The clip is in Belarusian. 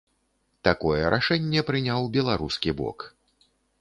Такое рашэнне прыняў беларускі бок.